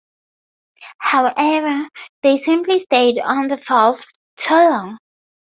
However, they simply stayed on the field too long.